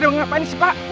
kenapa di ngakain izh pak